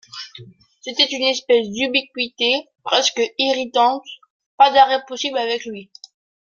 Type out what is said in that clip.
C'était une espèce d'ubiquité presque irritante ; pas d'arrêt possible avec lui.